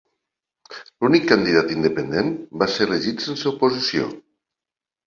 L'únic candidat independent va ser elegit sense oposició.